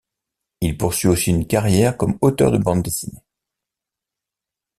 Il poursuit aussi une carrière comme auteur de bande dessinée.